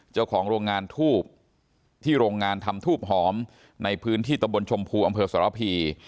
เจ้าของโรงงานทูบที่โรงงานทำทูบหอมในพื้นที่ตะบนชมพูอำเภอสรพี